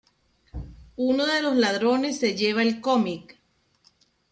Uno de los ladrones se lleva el cómic.